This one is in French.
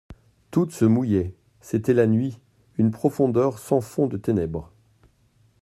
Toutes se mouillaient, c'était la nuit, une profondeur sans fond de ténèbres.